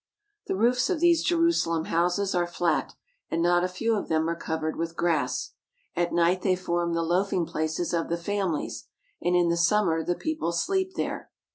The roofs of these Jerusalem houses are flat, and not a few of them are covered with grass. At night they form the loafing places of the families, and in the summer the people sleep there.